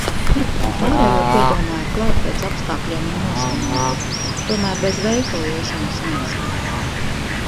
Un pārējo piedomāju klāt pēc apstākļiem un noskaņojuma. Tomēr bez veikala iešanas neiztikt.